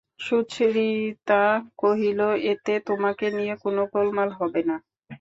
সুচরিতা কহিল, এতে তোমাকে নিয়ে কোনো গোলমাল হবে না?